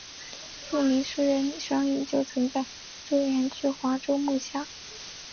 著名诗人李商隐就曾在周墀之华州幕下。